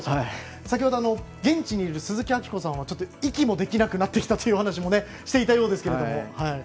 先ほど、現地にいる鈴木明子さんは息もできなくなってきたというお話をしていたようですが。